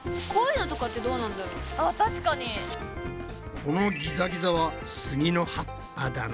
このギザギザはスギの葉っぱだな。